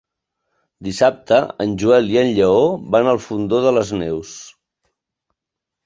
Dissabte en Joel i en Lleó van al Fondó de les Neus.